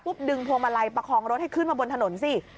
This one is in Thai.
ดึงพวงมาลัยประคองรถให้ขึ้นมาบนถนนสิ